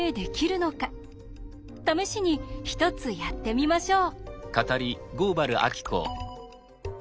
試しに１つやってみましょう。